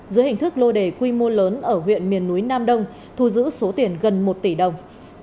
dưới hình thức lô đề quy mô lớn ở huyện miền núi nam đông thu giữ số tiền gần một tỷ đồng